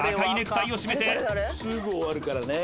すぐ終わるからね。